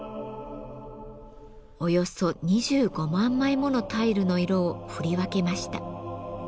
およそ２５万枚ものタイルの色を振り分けました。